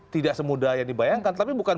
tidak semudah yang dibayangkan tapi bukan